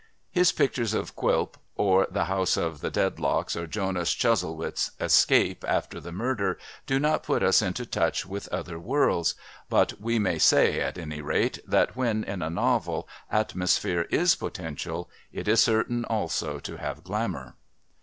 His pictures of Quilp or the house of the Dedlocks or Jonas Chuzzlewit's escape after the murder do not put us into touch with other worlds but we may say, at any rate, that when, in a novel atmosphere is potential, it is certain also to have glamour.